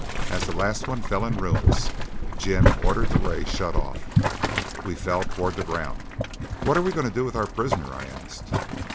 As the last one fell in ruins, Jim ordered the ray shut off. We fell toward the ground. "What are we going to do with our prisoner?" I asked.